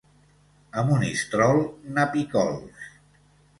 A Monistrol, napicols.